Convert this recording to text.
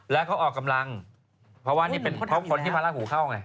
แล้วเขาก็ออกกำลังเพราะเป็นคนที่พระราถหูเข้าไง